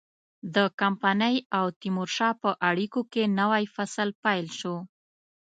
د کمپنۍ او تیمورشاه په اړیکو کې نوی فصل پیل شو.